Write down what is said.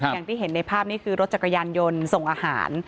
อย่างที่เห็นในภาพนี้คือรถจักรยานยนต์ส่งอาหาร